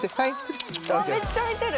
めっちゃ見てる！